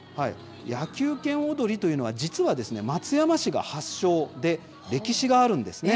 野球拳おどりというのは実は松山市が発祥で歴史があるんです。